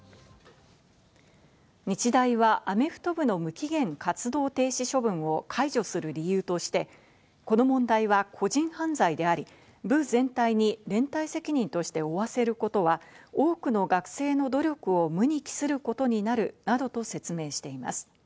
日大はアメフト部の無期限活動停止処分を解除する理由として、この問題は個人犯罪であり、部全体に連帯責任として負わせることは多くの学生の努力を無に帰することになるなどと説明しています。